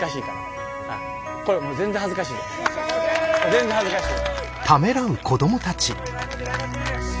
全然恥ずかしい。